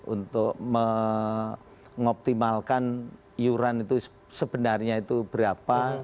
untuk mengoptimalkan iuran itu sebenarnya itu berapa